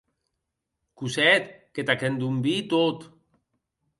Cosette, qu’ac endonvii tot.